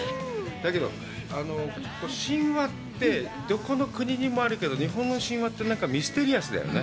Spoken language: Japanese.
だけど、神話って、どこの国にもあるけど日本の神話って、何かミステリアスだよね。